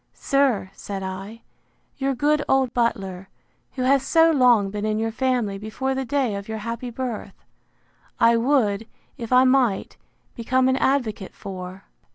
—Sir, said I, your good old butler, who has so long been in your family before the day of your happy birth, I would, if I might, become an advocate for!